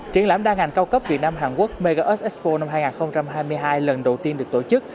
triển lãm đa ngành cao cấp việt nam hàn quốc mega us expo năm hai nghìn hai mươi hai lần đầu tiên được tổ chức